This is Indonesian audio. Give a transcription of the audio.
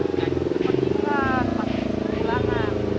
gak bisa ke petinggan pas ke pulangan